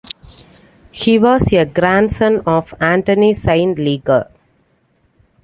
He was a grandson of Anthony Saint Leger.